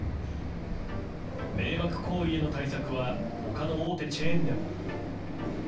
迷惑行為への対策は他の大手チェーンでも。